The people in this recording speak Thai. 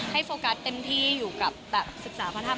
โฟกัสเต็มที่อยู่กับศึกษาพระธรรม